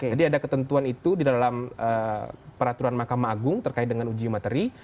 jadi ada ketentuan itu di dalam peraturan mahkamah agung terkait dengan uji materi